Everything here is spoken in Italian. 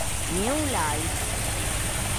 New Life